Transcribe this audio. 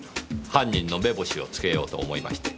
犯人の目星をつけようと思いまして。